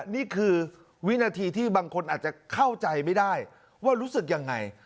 นี่คือวินาทีที่บางคนอาจจะเข้าใจไม่ได้ว่ารู้สึกยังไง